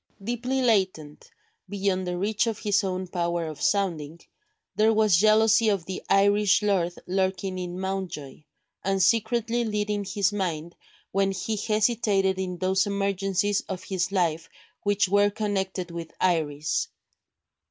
Deeply latent, beyond the reach of his own power of sounding, there was jealousy of the Irish lord lurking in Mountjoy, and secretly leading his mind when he hesitated in those emergencies of his life which were connected with Iris.